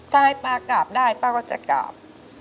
ถ้าให้ป้ากราบได้ป้าก็จะกราบ